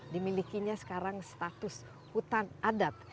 memiliki nya sekarang status hutan adat